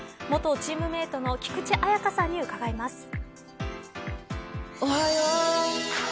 元チームメートの菊池彩花さんに伺います。